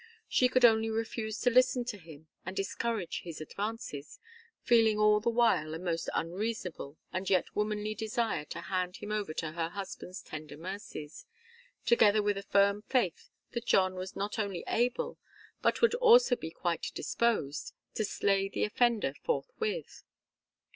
She could only refuse to listen to him and discourage his advances, feeling all the while a most unreasonable and yet womanly desire to hand him over to her husband's tender mercies, together with a firm faith that John was not only able, but would also be quite disposed, to slay the offender forthwith.